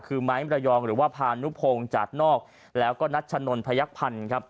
คือไม้มิรยองหรือว่าพานุพงจากนอกแล้วก็นัทชะนลพยักษ์พันธ์